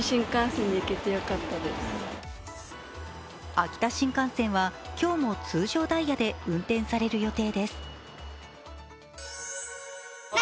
秋田新幹線は今日も通常ダイヤで運転される予定です。